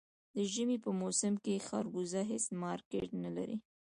د ژمي په موسم کې خربوزه هېڅ مارکېټ نه لري.